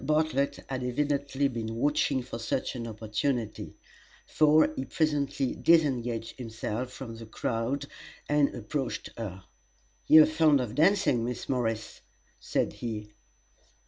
Bartlett had evidently been watching for such an opportunity, for he presently disengaged himself from the crowd and approached her. "You are fond of dancing, Miss Morris?" said he.